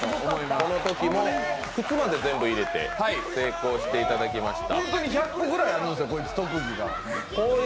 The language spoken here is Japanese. このときも靴まで全部入れて成功していただきました。